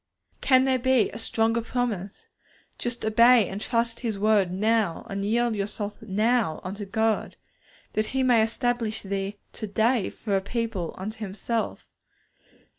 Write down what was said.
Can there be a stronger promise? Just obey and trust His word now, and yield yourselves now unto God, 'that He may establish thee to day for a people unto Himself.'